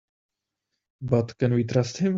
But can we trust him?